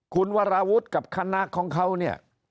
คุณวราวุฒิกับคณะของเขาเนี่ย